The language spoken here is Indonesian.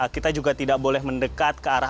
kita juga tidak boleh mendekat ke arah